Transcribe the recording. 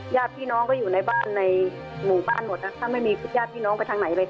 ญาติพี่น้องก็อยู่ในบ้านในหมู่บ้านหมดนะถ้าไม่มีญาติพี่น้องไปทางไหนเลย